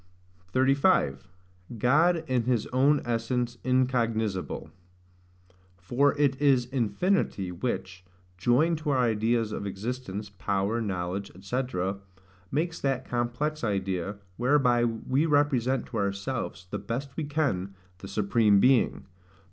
35. God in his own essence incognisable. For it is infinity, which, joined to our ideas of existence, power, knowledge, &c., makes that complex idea, whereby we represent to ourselves, the best we can, the Supreme Being.